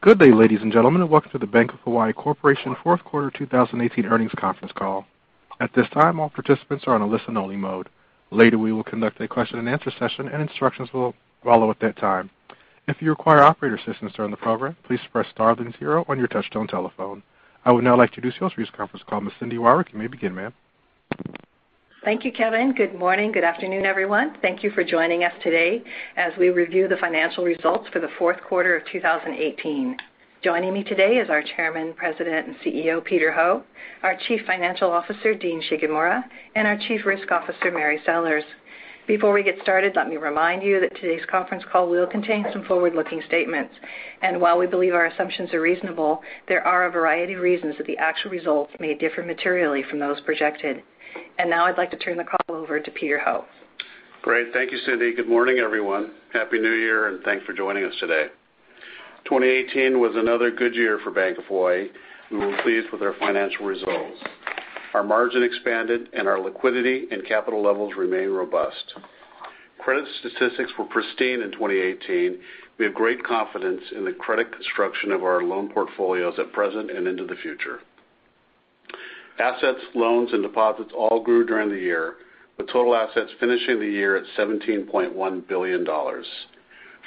Good day, ladies and gentlemen, welcome to the Bank of Hawaii Corporation Fourth Quarter 2018 Earnings Conference Call. At this time, all participants are on a listen-only mode. Later, we will conduct a question-and-answer session, instructions will follow at that time. If you require operator assistance during the program, please press star then zero on your touchtone telephone. I would now like to introduce your conference call. Ms. Cindy Wyrick, you may begin, Ma'am. Thank you, Kevin. Good morning. Good afternoon, everyone. Thank you for joining us today as we review the Financial Results for the Fourth Quarter of 2018. Joining me today is our Chairman, President, and CEO, Peter Ho, our Chief Financial Officer, Dean Shigemura, and our Chief Risk Officer, Mary Sellers. Before we get started, let me remind you that today's conference call will contain some forward-looking statements. While we believe our assumptions are reasonable, there are a variety of reasons that the actual results may differ materially from those projected. Now I'd like to turn the call over to Peter Ho. Great. Thank you, Cindy. Good morning, everyone. Happy New Year, thanks for joining us today. 2018 was another good year for Bank of Hawaii. We were pleased with our financial results. Our margin expanded, our liquidity and capital levels remain robust. Credit statistics were pristine in 2018. We have great confidence in the credit construction of our loan portfolios at present and into the future. Assets, loans, and deposits all grew during the year, with total assets finishing the year at $17.1 billion.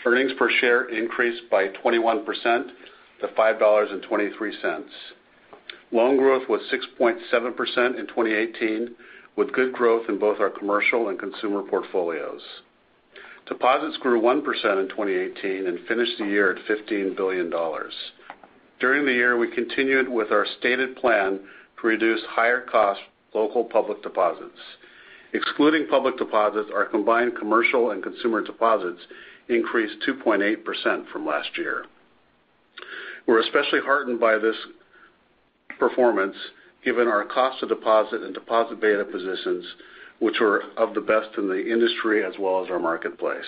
Earnings per share increased by 21% to $5.23. Loan growth was 6.7% in 2018, with good growth in both our commercial and consumer portfolios. Deposits grew 1% in 2018 and finished the year at $15 billion. During the year, we continued with our stated plan to reduce higher cost local public deposits. Excluding public deposits, our combined commercial and consumer deposits increased 2.8% from last year. We're especially heartened by this performance given our cost of deposit and deposit beta positions, which were of the best in the industry as well as our marketplace.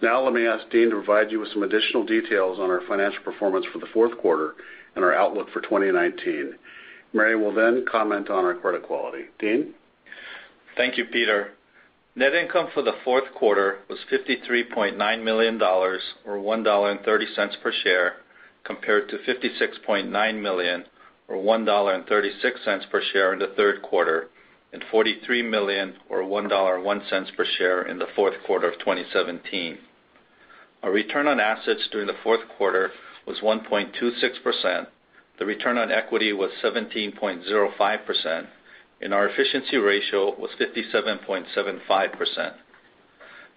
Let me ask Dean to provide you with some additional details on our financial performance for the fourth quarter and our outlook for 2019. Mary will comment on our credit quality. Dean? Thank you, Peter. Net income for the fourth quarter was $53.9 million, or $1.30 per share, compared to $56.9 million or $1.36 per share in the third quarter, and $43 million or $1.01 per share in the fourth quarter of 2017. Our return on assets during the fourth quarter was 1.26%, the return on equity was 17.05%, and our efficiency ratio was 57.75%.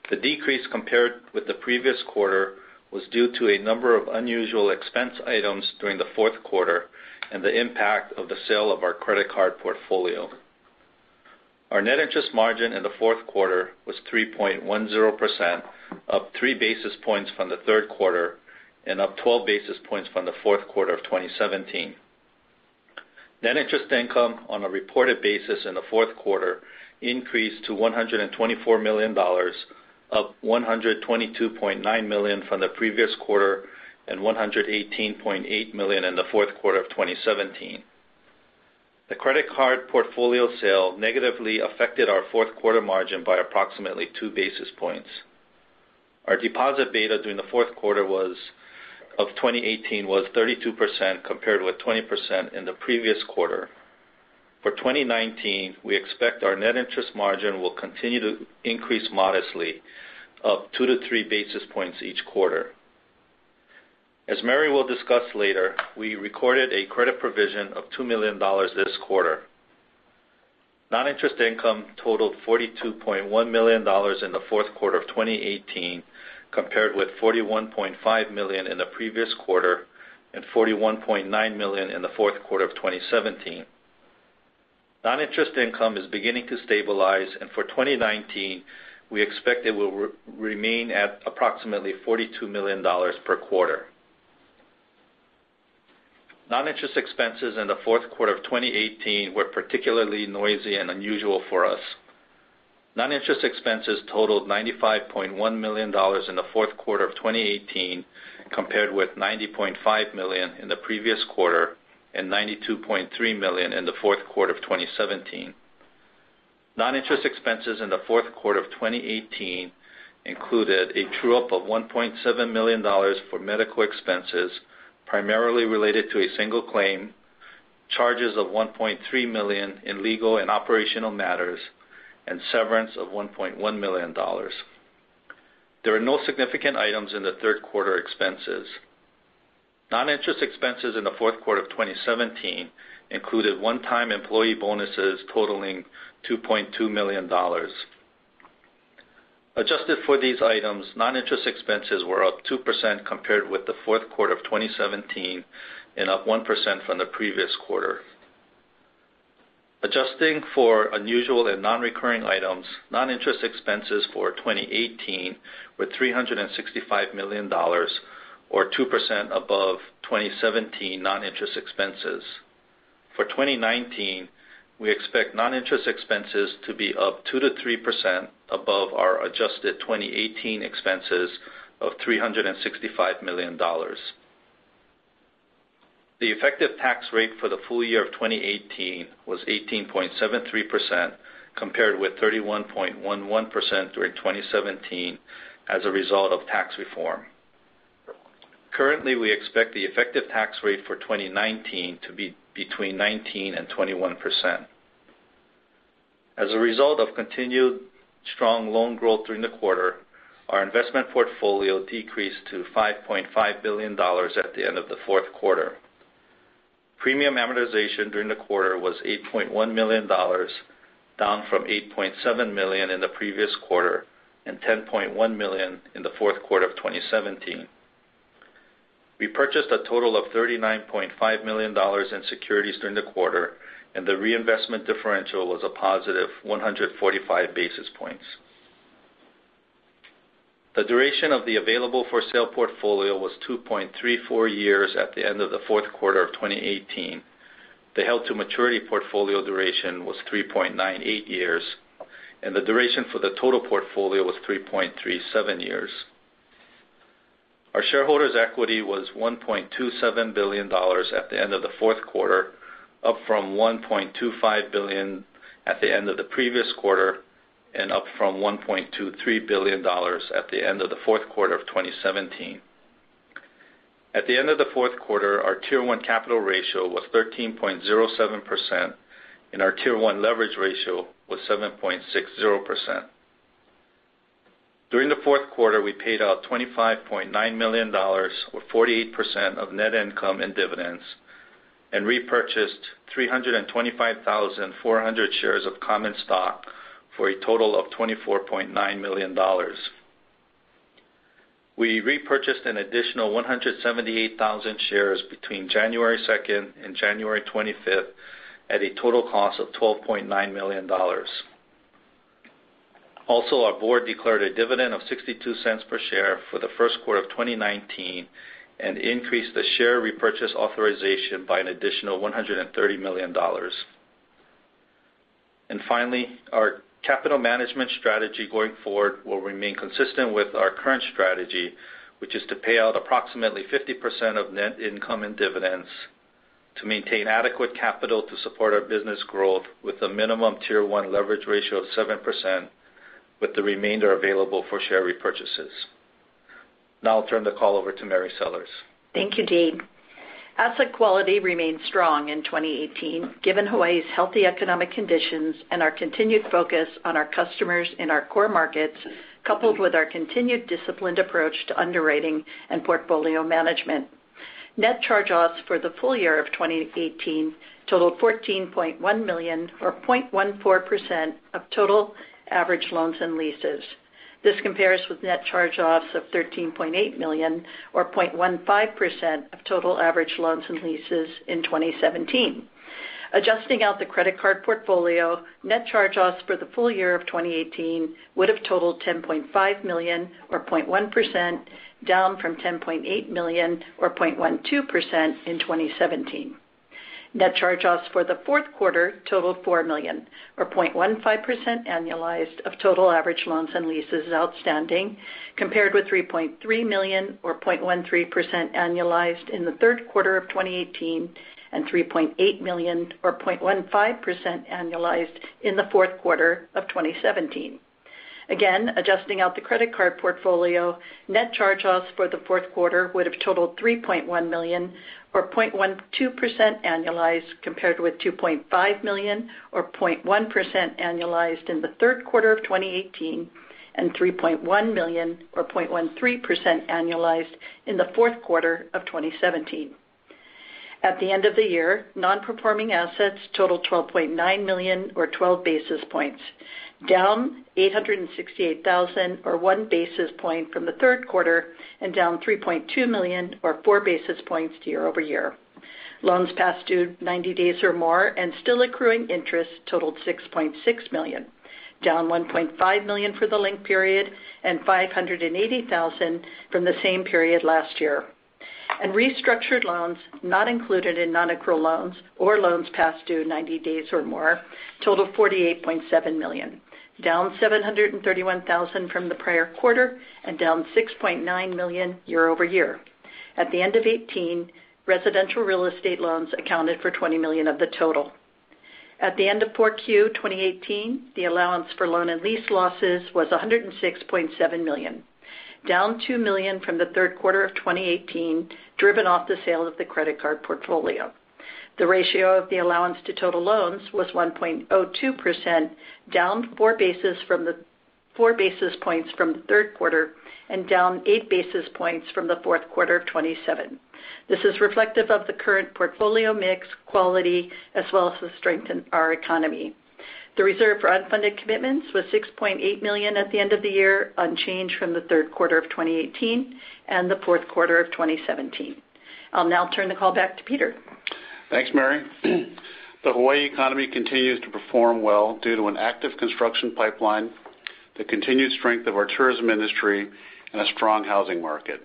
The decrease compared with the previous quarter was due to a number of unusual expense items during the fourth quarter and the impact of the sale of our credit card portfolio. Our net interest margin in the fourth quarter was 3.10%, up three basis points from the third quarter and up 12 basis points from the fourth quarter of 2017. Net interest income on a reported basis in the fourth quarter increased to $124 million, up $122.9 million from the previous quarter and $118.8 million in the fourth quarter of 2017. The credit card portfolio sale negatively affected our fourth quarter margin by approximately two basis points. Our deposit beta during the fourth quarter of 2018 was 32%, compared with 20% in the previous quarter. For 2019, we expect our net interest margin will continue to increase modestly, up two to three basis points each quarter. As Mary will discuss later, we recorded a credit provision of $2 million this quarter. Noninterest income totaled $42.1 million in the fourth quarter of 2018, compared with $41.5 million in the previous quarter and $41.9 million in the fourth quarter of 2017. Noninterest income is beginning to stabilize, and for 2019, we expect it will remain at approximately $42 million per quarter. Noninterest expenses in the fourth quarter of 2018 were particularly noisy and unusual for us. Noninterest expenses totaled $95.1 million in the fourth quarter of 2018, compared with $90.5 million in the previous quarter and $92.3 million in the fourth quarter of 2017. Noninterest expenses in the fourth quarter of 2018 included a true-up of $1.7 million for medical expenses, primarily related to a single claim, charges of $1.3 million in legal and operational matters, and severance of $1.1 million. There are no significant items in the third quarter expenses. Noninterest expenses in the fourth quarter of 2017 included one-time employee bonuses totaling $2.2 million. Adjusted for these items, noninterest expenses were up 2% compared with the fourth quarter of 2017 and up 1% from the previous quarter. Adjusting for unusual and non-recurring items, noninterest expenses for 2018 were $365 million, or 2% above 2017 noninterest expenses. For 2019, we expect noninterest expenses to be up 2%-3% above our adjusted 2018 expenses of $365 million. The effective tax rate for the full-year of 2018 was 18.73%, compared with 31.11% during 2017 as a result of tax reform. Currently, we expect the effective tax rate for 2019 to be between 19% and 21%. As a result of continued strong loan growth during the quarter, our investment portfolio decreased to $5.5 billion at the end of the fourth quarter. Premium amortization during the quarter was $8.1 million, down from $8.7 million in the previous quarter and $10.1 million in the fourth quarter of 2017. We purchased a total of $39.5 million in securities during the quarter, and the reinvestment differential was a positive 145 basis points. The duration of the available-for-sale portfolio was 2.34 years at the end of the fourth quarter of 2018. The held-to-maturity portfolio duration was 3.98 years, and the duration for the total portfolio was 3.37 years. Our shareholders' equity was $1.27 billion at the end of the fourth quarter, up from $1.25 billion at the end of the previous quarter, and up from $1.23 billion at the end of the fourth quarter of 2017. At the end of the fourth quarter, our Tier 1 capital ratio was 13.07%, and our Tier 1 leverage ratio was 7.60%. During the fourth quarter, we paid out $25.9 million, or 48% of net income in dividends, and repurchased 325,400 shares of common stock for a total of $24.9 million. We repurchased an additional 178,000 shares between January 2nd and January 25th at a total cost of $12.9 million. Our board declared a dividend of $0.62 per share for the first quarter of 2019 and increased the share repurchase authorization by an additional $130 million. Finally, our capital management strategy going forward will remain consistent with our current strategy, which is to pay out approximately 50% of net income in dividends to maintain adequate capital to support our business growth with a minimum Tier 1 leverage ratio of 7%, with the remainder available for share repurchases. Now I'll turn the call over to Mary Sellers. Thank you, Dean. Asset quality remained strong in 2018, given Hawaii's healthy economic conditions and our continued focus on our customers in our core markets, coupled with our continued disciplined approach to underwriting and portfolio management. Net charge-offs for the full-year of 2018 totaled $14.1 million, or 0.14% of total average loans and leases. This compares with net charge-offs of $13.8 million, or 0.15% of total average loans and leases in 2017. Adjusting out the credit card portfolio, net charge-offs for the full-year of 2018 would have totaled $10.5 million, or 0.1%, down from $10.8 million or 0.12% in 2017. Net charge-offs for the fourth quarter totaled $4 million, or 0.15% annualized of total average loans and leases outstanding, compared with $3.3 million or 0.13% annualized in the third quarter of 2018, and $3.8 million or 0.15% annualized in the fourth quarter of 2017. Adjusting out the credit card portfolio, net charge-offs for the fourth quarter would have totaled $3.1 million or 0.12% annualized compared with $2.5 million or 0.1% annualized in the third quarter of 2018, and $3.1 million or 0.13% annualized in the fourth quarter of 2017. At the end of the year, non-performing assets totaled $12.9 million or 12 basis points, down $868,000 or one basis point from the third quarter, and down $3.2 million or four basis points year-over-year. Loans past due 90 days or more and still accruing interest totaled $6.6 million, down $1.5 million for the linked period and $580,000 from the same period last year. Restructured loans not included in non-accrual loans or loans past due 90 days or more totaled $48.7 million, down $731,000 from the prior quarter and down $6.9 million year-over-year. At the end of 2018, residential real estate loans accounted for $20 million of the total. At the end of 4Q 2018, the allowance for loan and lease losses was $106.7 million, down $2 million from the third quarter of 2018, driven off the sale of the credit card portfolio. The ratio of the allowance to total loans was 1.02%, down four basis points from the third quarter and down eight basis points from the fourth quarter of 2017. This is reflective of the current portfolio mix quality as well as the strength in our economy. The reserve for unfunded commitments was $6.8 million at the end of the year, unchanged from the third quarter of 2018 and the fourth quarter of 2017. I'll now turn the call back to Peter. Thanks, Mary. The Hawaii economy continues to perform well due to an active construction pipeline, the continued strength of our tourism industry, and a strong housing market.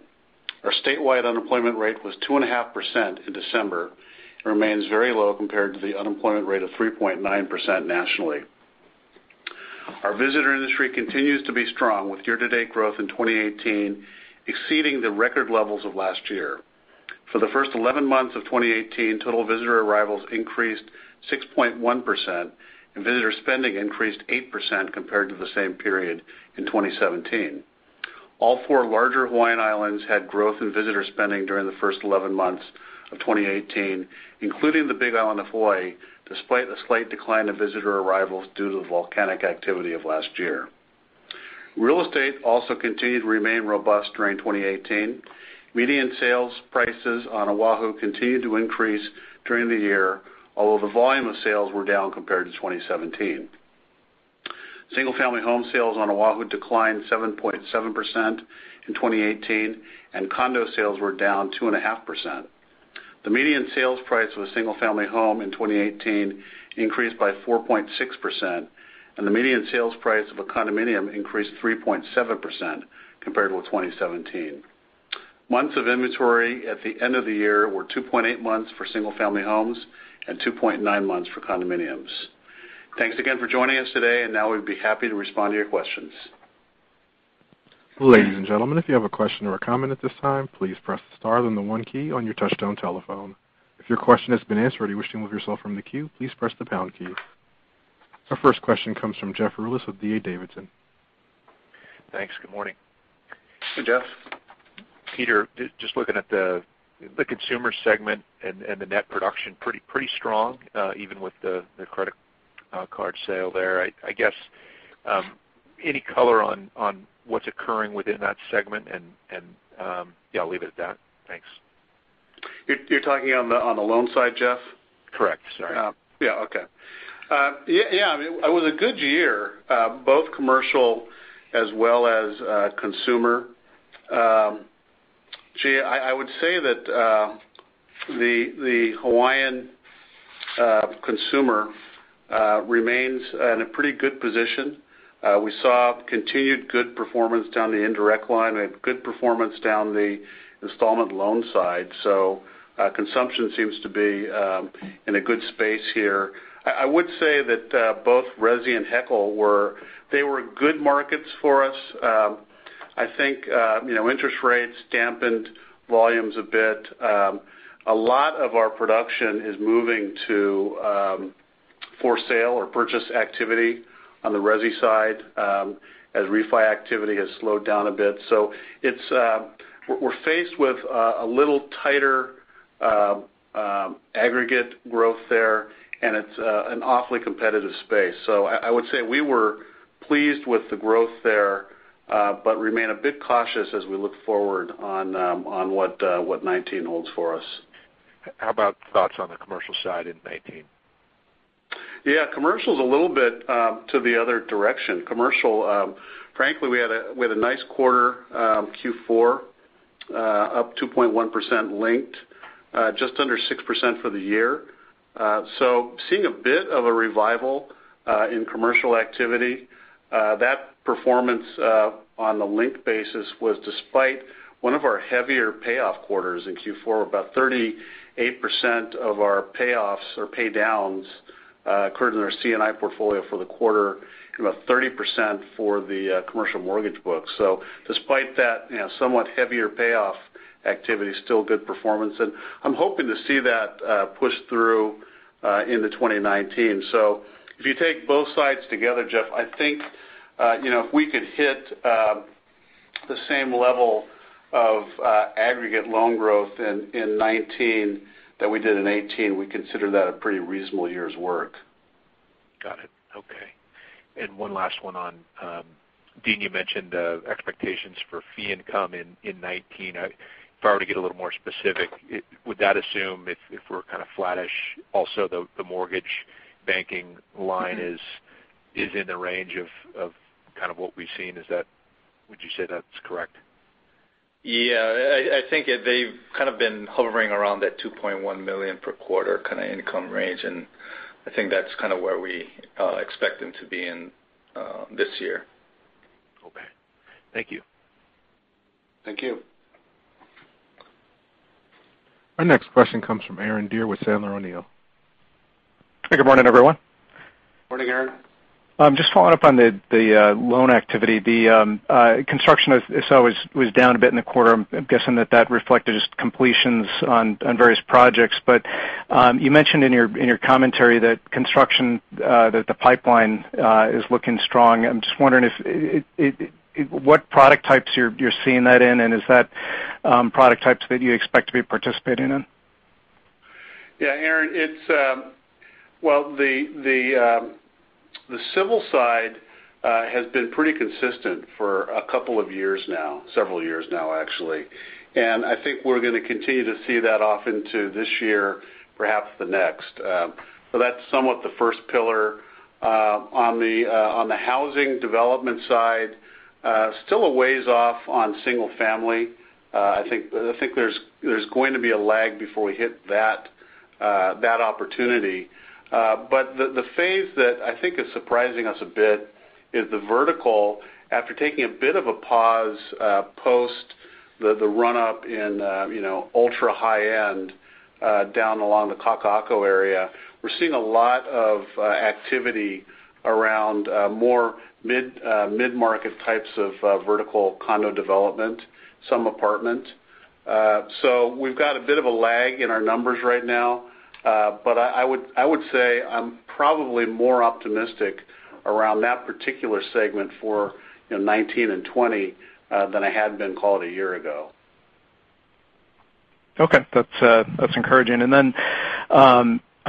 Our statewide unemployment rate was 2.5% in December. It remains very low compared to the unemployment rate of 3.9% nationally. Our visitor industry continues to be strong with year-to-date growth in 2018 exceeding the record levels of last year. For the first 11 months of 2018, total visitor arrivals increased 6.1%, and visitor spending increased 8% compared to the same period in 2017. All four larger Hawaiian islands had growth in visitor spending during the first 11 months of 2018, including the Big Island of Hawaii, despite the slight decline of visitor arrivals due to the volcanic activity of last year. Real estate also continued to remain robust during 2018. Median sales prices on Oahu continued to increase during the year, although the volume of sales were down compared to 2017. Single-family home sales on Oahu declined 7.7% in 2018, and condo sales were down 2.5%. The median sales price of a single-family home in 2018 increased by 4.6%, and the median sales price of a condominium increased 3.7% compared with 2017. Months of inventory at the end of the year were 2.8 months for single-family homes and 2.9 months for condominiums. Thanks again for joining us today. Now we'd be happy to respond to your questions. Ladies and gentlemen, if you have a question or a comment at this time, please press star then the one key on your touchtone telephone. If your question has been answered and you wish to remove yourself from the queue, please press the pound key. Our first question comes from Jeff Rulis with D.A. Davidson. Thanks. Good morning. Hey, Jeff. Peter, just looking at the consumer segment and the net production, pretty strong even with the credit card sale there. I guess, any color on what's occurring within that segment and yeah, I'll leave it at that. Thanks. You're talking on the loan side, Jeff? Correct. Sorry. Okay. It was a good year, both commercial as well as consumer. Gee, I would say that the Hawaiian consumer remains in a pretty good position. We saw continued good performance down the indirect line and good performance down the installment loan side. Consumption seems to be in a good space here. I would say that both resi and HELOC, they were good markets for us. I think interest rates dampened volumes a bit. A lot of our production is moving to for sale or purchase activity on the resi side as refi activity has slowed down a bit. We're faced with a little tighter aggregate growth there, and it's an awfully competitive space. I would say we were pleased with the growth there but remain a bit cautious as we look forward on what 2019 holds for us. How about thoughts on the commercial side in 2019? Commercial's a little bit to the other direction. Commercial, frankly, we had a nice quarter Q4 up 2.1% linked, just under 6% for the year. Seeing a bit of a revival in commercial activity. That performance on the linked basis was despite one of our heavier payoff quarters in Q4. About 38% of our payoffs or pay downs occurred in our C&I portfolio for the quarter and about 30% for the commercial mortgage book. Despite that somewhat heavier payoff activity, still good performance. I'm hoping to see that push through into 2019. If you take both sides together, Jeff, I think if we could hit the same level of aggregate loan growth in 2019 that we did in 2018, we consider that a pretty reasonable year's work. Got it. Okay. One last one on Dean, you mentioned expectations for fee income in 2019. If I were to get a little more specific, would that assume if we're kind of flattish, also the mortgage banking line is in the range of kind of what we've seen. Would you say that's correct? I think they've kind of been hovering around that $2.1 million per quarter kind of income range, and I think that's kind of where we expect them to be in this year. Okay. Thank you. Thank you. Our next question comes from Aaron Deer with Sandler O'Neill. Hey, good morning, everyone. Morning, Aaron. Just following up on the loan activity. The construction I saw was down a bit in the quarter. I'm guessing that that reflected just completions on various projects. You mentioned in your commentary that construction, that the pipeline is looking strong. I'm just wondering what product types you're seeing that in, and is that product types that you expect to be participating in? Yeah, Aaron. The civil side has been pretty consistent for a couple of years now. Several years now, actually. I think we're going to continue to see that off into this year, perhaps the next. That's somewhat the first pillar. On the housing development side, still a ways off on single family. I think there's going to be a lag before we hit that opportunity. The phase that I think is surprising us a bit is the vertical after taking a bit of a pause post the run up in ultra high-end down along the Kakaako area. We're seeing a lot of activity around more mid-market types of vertical condo development, some apartment. We've got a bit of a lag in our numbers right now. I would say I'm probably more optimistic around that particular segment for 2019 and 2020 than I had been call it a year ago. Okay that's encouraging. Then,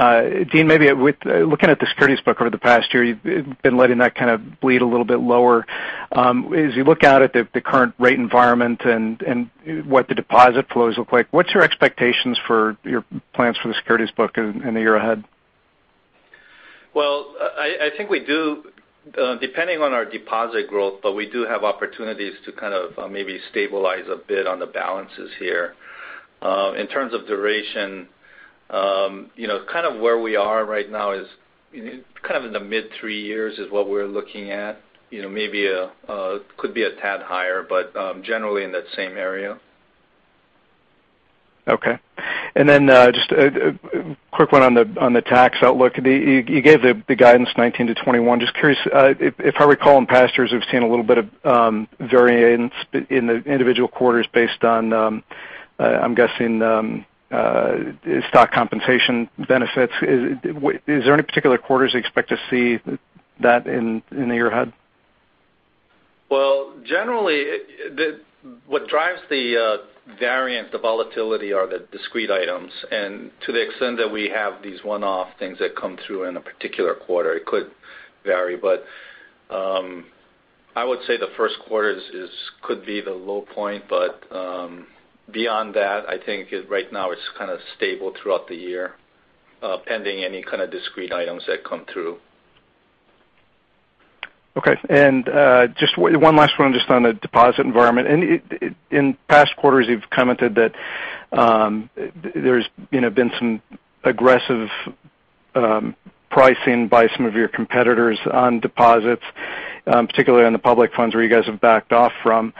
Dean, maybe looking at the securities book over the past year, you've been letting that kind of bleed a little bit lower. As you look out at the current rate environment and what the deposit flows look like, what's your expectations for your plans for the securities book in the year ahead? Well, I think we do, depending on our deposit growth, we do have opportunities to kind of maybe stabilize a bit on the balances here. In terms of duration, kind of where we are right now is kind of in the mid three years is what we're looking at. Maybe could be a tad higher, generally in that same area. Okay. Just a quick one on the tax outlook. You gave the guidance 2019 to 2021. Curious, if I recall, in past years we've seen a little bit of variance in the individual quarters based on, I'm guessing, stock compensation benefits. Is there any particular quarters you expect to see that in the year ahead? Well, generally, what drives the variance, the volatility are the discrete items. To the extent that we have these one-off things that come through in a particular quarter, it could vary. I would say the first quarter could be the low point. Beyond that, I think right now it's kind of stable throughout the year, pending any kind of discrete items that come through. Okay. Just one last one just on the deposit environment. In past quarters, you've commented that there's been some aggressive pricing by some of your competitors on deposits, particularly on the public funds where you guys have backed off from.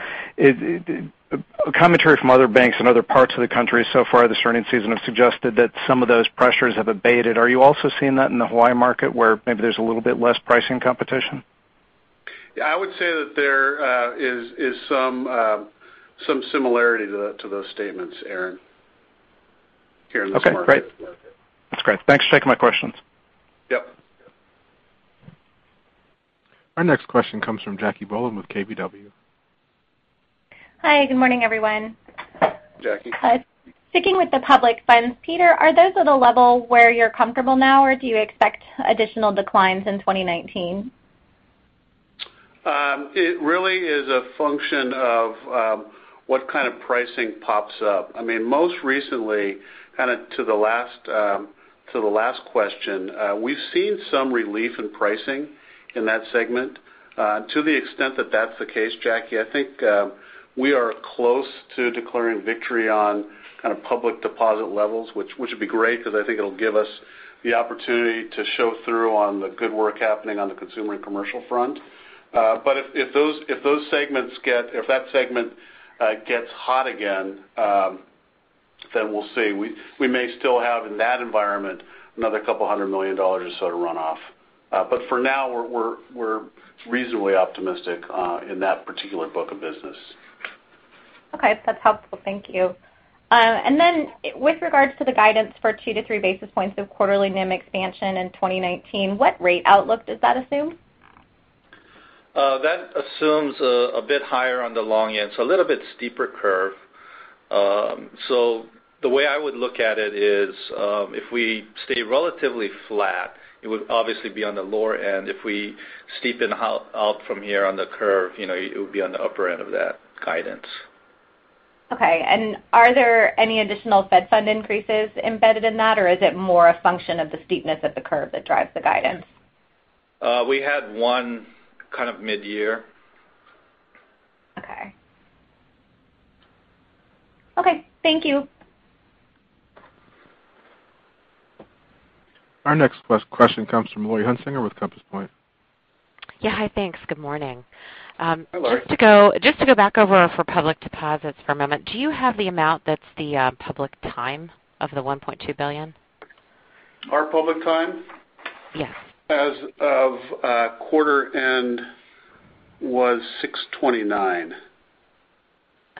Commentary from other banks in other parts of the country so far this earning season have suggested that some of those pressures have abated. Are you also seeing that in the Hawaii market where maybe there's a little bit less pricing competition? Yeah, I would say that there is some similarity to those statements, Aaron, here in this market. Okay, great. That's great. Thanks for taking my questions. Yep. Our next question comes from Jacque Bohlen with KBW. Hi, good morning, everyone. Jacque. Sticking with the public funds, Peter, are those at a level where you're comfortable now or do you expect additional declines in 2019? It really is a function of what kind of pricing pops up. Most recently, kind of to the last question, we've seen some relief in pricing in that segment. To the extent that that's the case, Jacque, I think we are close to declaring victory on kind of public deposit levels, which would be great because I think it'll give us the opportunity to show through on the good work happening on the consumer and commercial front. If that segment gets hot again, then we'll see. We may still have in that environment another $200 million or so to run off. For now, we're reasonably optimistic in that particular book of business. Okay. That's helpful. Thank you. With regards to the guidance for two to three basis points of quarterly NIM expansion in 2019, what rate outlook does that assume? That assumes a bit higher on the long end, a little bit steeper curve. The way I would look at it is if we stay relatively flat, it would obviously be on the lower end. If we steepen out from here on the curve, it would be on the upper end of that guidance. Okay. Are there any additional fed fund increases embedded in that, or is it more a function of the steepness of the curve that drives the guidance? We had one kind of mid-year. Okay. Okay, thank you. Our next question comes from Laurie Hunsicker with Compass Point. Yeah. Hi, thanks. Good morning. Hi, Laurie. Just to go back over for public deposits for a moment, do you have the amount that's the public time of the $1.2 billion? Our public time? Yes. As of quarter end was $629.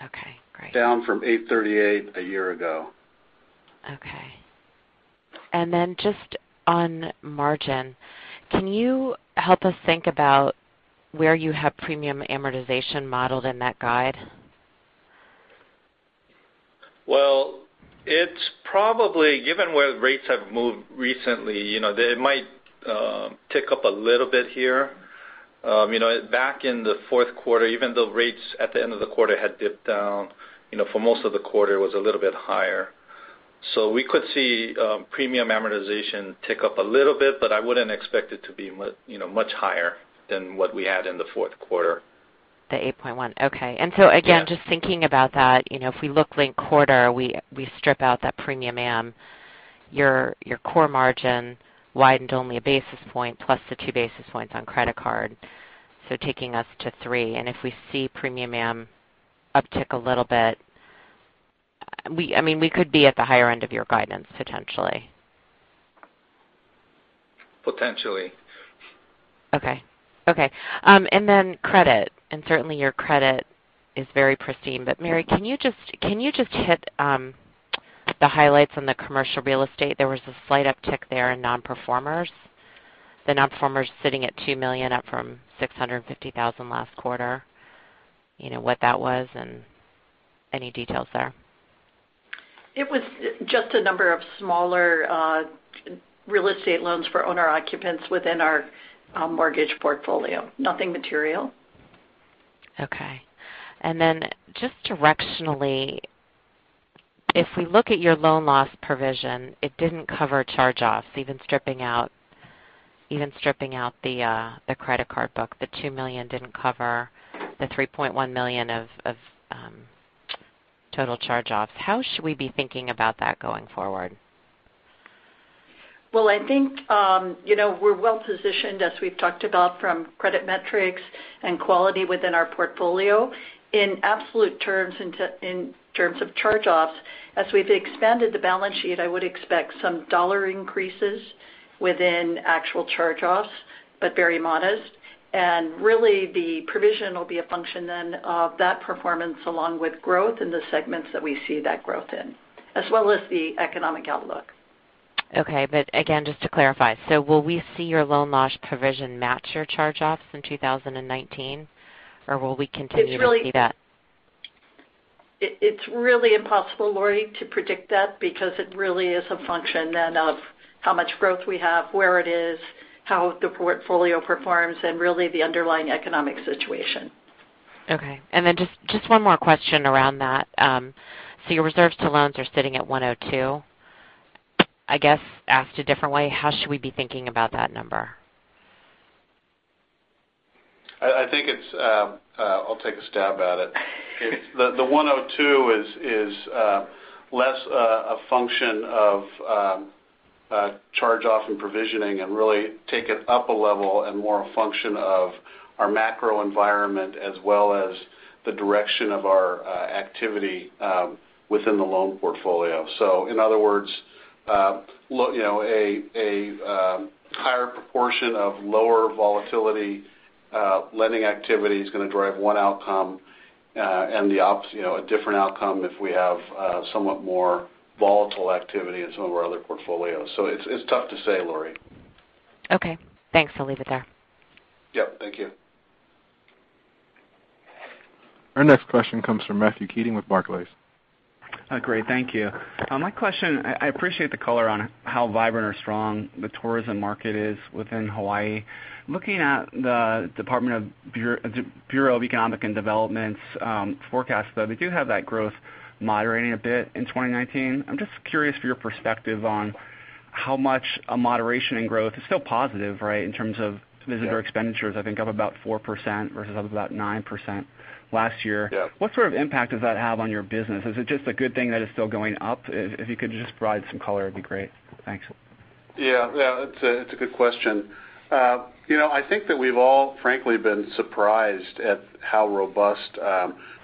Okay, great. Down from $838 a year ago. Okay. Just on margin, can you help us think about where you have premium amortization modeled in that guide? It's probably given where rates have moved recently, they might tick up a little bit here. Back in the fourth quarter, even though rates at the end of the quarter had dipped down, for most of the quarter, it was a little bit higher. We could see premium amortization tick up a little bit, but I wouldn't expect it to be much higher than what we had in the fourth quarter. The 8.1, okay. Yeah. Again, just thinking about that, if we look link quarter, we strip out that premium am. Your core margin widened only a basis point plus the two basis points on credit card. Taking us to three, and if we see premium uptick a little bit, we could be at the higher end of your guidance potentially. Potentially. Okay. Credit, certainly your credit is very pristine. Mary, can you just hit the highlights on the commercial real estate? There was a slight uptick there in non-performers. The non-performers sitting at $2 million up from $650,000 last quarter. What that was and any details there. It was just a number of smaller real estate loans for owner occupants within our mortgage portfolio. Nothing material. Okay. Just directionally, if we look at your loan loss provision, it didn't cover charge-offs, even stripping out the credit card book. The $2 million didn't cover the $3.1 million of total charge-offs. How should we be thinking about that going forward? I think, we're well positioned, as we've talked about from credit metrics and quality within our portfolio. In absolute terms in terms of charge-offs, as we've expanded the balance sheet, I would expect some dollar increases within actual charge-offs, but very modest. The provision will be a function then of that performance along with growth in the segments that we see that growth in, as well as the economic outlook. Okay. Again, just to clarify. Will we see your loan loss provision match your charge-offs in 2019, or will we continue to see that? It's really impossible, Laurie, to predict that because it really is a function then of how much growth we have, where it is, how the portfolio performs, and really the underlying economic situation. Okay. Just one more question around that. Your reserves to loans are sitting at $102. I guess, asked a different way, how should we be thinking about that number? I'll take a stab at it. The $102 is less a function of charge-off and provisioning and really take it up a level and more a function of our macro environment as well as the direction of our activity within the loan portfolio. In other words, a higher proportion of lower volatility lending activity is going to drive one outcome, and a different outcome if we have somewhat more volatile activity in some of our other portfolios. It's tough to say, Laurie. Okay. Thanks. I'll leave it there. Yep. Thank you. Our next question comes from Matthew Keating with Barclays. Great. Thank you. My question, I appreciate the color on how vibrant or strong the tourism market is within Hawaii. Looking at the Bureau of Economic Analysis' forecast, though, they do have that growth moderating a bit in 2019. I'm just curious for your perspective on how much a moderation in growth, it's still positive, right? In terms of visitor expenditures, I think up about 4% versus up about 9% last year. Yeah. What sort of impact does that have on your business? Is it just a good thing that it's still going up? If you could just provide some color, it'd be great. Thanks. Yeah. It's a good question. I think that we've all frankly been surprised at how robust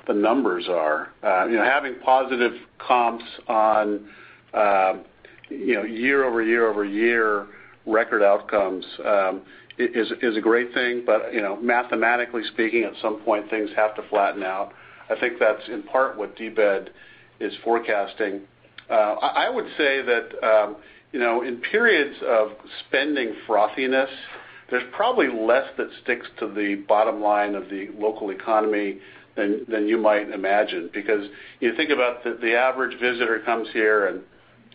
the numbers are. Having positive comps on year-over-year over year record outcomes is a great thing. Mathematically speaking, at some point, things have to flatten out. I think that's in part what DBED is forecasting. I would say that in periods of spending frothiness, there's probably less that sticks to the bottom line of the local economy than you might imagine. You think about the average visitor comes here and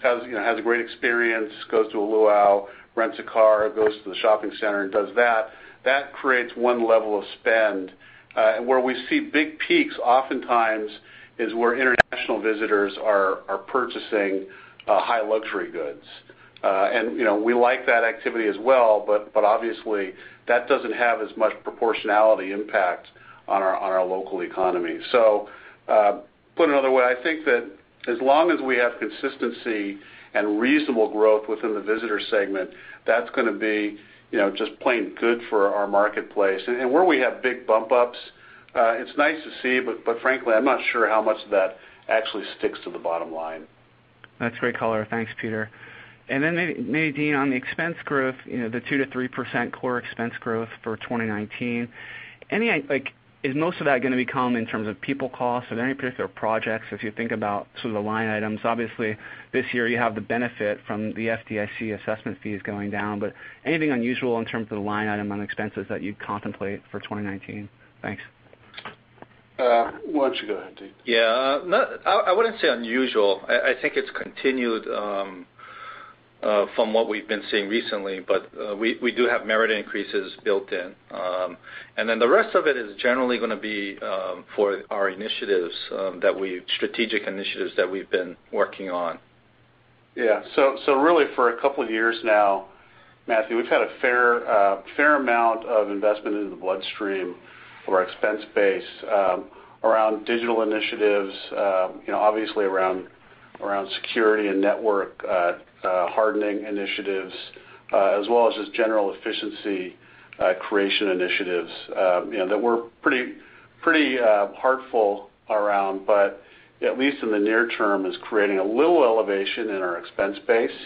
has a great experience, goes to a luau, rents a car, goes to the shopping center and does that. That creates one level of spend. Where we see big peaks oftentimes is where international visitors are purchasing high luxury goods. We like that activity as well, but obviously, that doesn't have as much proportionality impact on our local economy. Put another way, I think that as long as we have consistency and reasonable growth within the visitor segment, that's going to be just plain good for our marketplace. Where we have big bump ups, it's nice to see, but frankly, I'm not sure how much of that actually sticks to the bottom line. That's great color. Thanks, Peter. Maybe, Dean, on the expense growth, the 2%-3% core expense growth for 2019. Is most of that going to be coming in terms of people costs? Are there any particular projects as you think about some of the line items? Obviously, this year you have the benefit from the FDIC assessment fees going down. Anything unusual in terms of the line item on expenses that you contemplate for 2019? Thanks. Why don't you go ahead, Dean? Yeah. I wouldn't say unusual. I think it's continued from what we've been seeing recently. We do have merit increases built in. The rest of it is generally going to be for our strategic initiatives that we've been working on. Yeah. Really, for a couple of years now, Matthew, we've had a fair amount of investment into the bloodstream for our expense base around digital initiatives. Obviously, around security and network hardening initiatives, as well as just general efficiency creation initiatives that we're pretty heartful around. At least in the near term, is creating a little elevation in our expense base.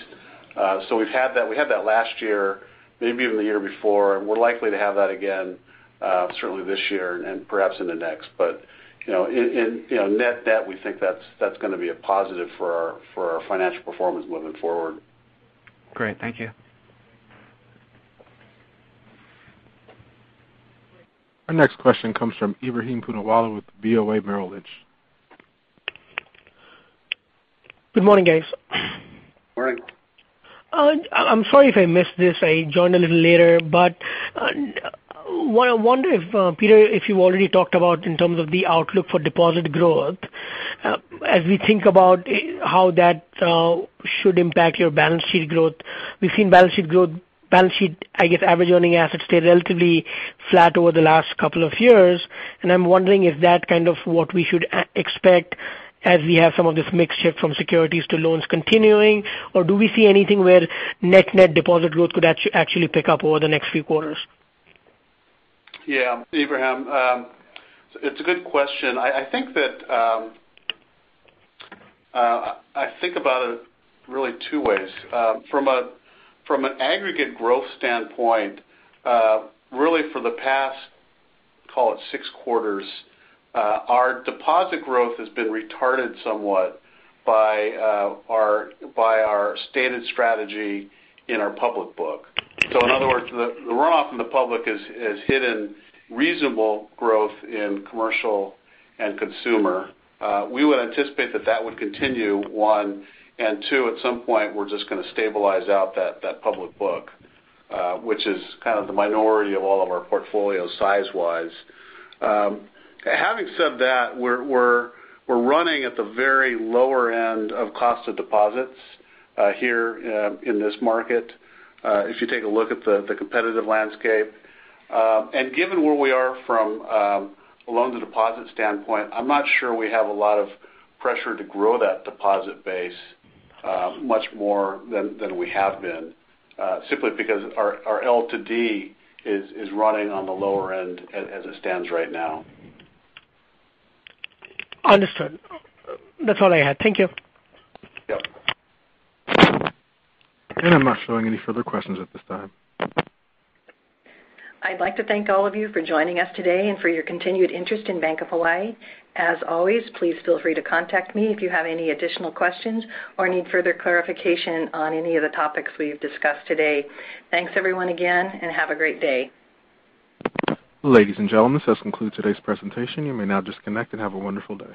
We've had that last year, maybe even the year before. We're likely to have that again certainly this year and perhaps into next. Net that, we think that's going to be a positive for our financial performance moving forward. Great. Thank you. Our next question comes from Ebrahim Poonawala with BofA Merrill Lynch. Good morning, guys. Morning. I'm sorry if I missed this. I joined a little later. I wonder if, Peter, if you already talked about in terms of the outlook for deposit growth, as we think about how that should impact your balance sheet growth. We've seen balance sheet, I guess, average earning assets stay relatively flat over the last couple of years. I'm wondering if that kind of what we should expect as we have some of this mix shift from securities to loans continuing, or do we see anything where net deposit growth could actually pick up over the next few quarters? Yeah. Ebrahim, it's a good question. I think about it really two ways. From an aggregate growth standpoint, really for the past, call it six quarters, our deposit growth has been retarded somewhat by our stated strategy in our public book. In other words, the runoff in the public has hidden reasonable growth in commercial and consumer. We would anticipate that that would continue, one, and two, at some point, we're just going to stabilize out that public book, which is kind of the minority of all of our portfolio size-wise. Having said that, we're running at the very lower end of cost of deposits here in this market, if you take a look at the competitive landscape. Given where we are from a loan-to-deposit standpoint, I'm not sure we have a lot of pressure to grow that deposit base much more than we have been. Simply because our LTD is running on the lower end as it stands right now. Understood. That's all I had. Thank you. Yep. I'm not showing any further questions at this time. I'd like to thank all of you for joining us today and for your continued interest in Bank of Hawaii. As always, please feel free to contact me if you have any additional questions or need further clarification on any of the topics we've discussed today. Thanks everyone again, and have a great day. Ladies and gentlemen, this concludes today's presentation. You may now disconnect and have a wonderful day.